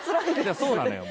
いやそうなのよ